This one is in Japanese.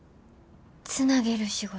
つなげる仕事。